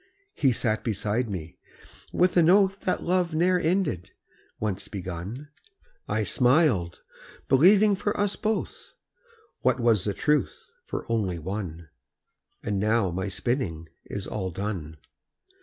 He sat beside me, with an oath That love ne'er ended, once begun; I smiled, believing for us both, What was the truth for only one: And now my spinning is all done.